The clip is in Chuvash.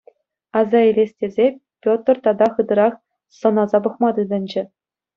Аса илес тесе, Петр тата хытӑрах сӑнаса пӑхма тытӑнчӗ.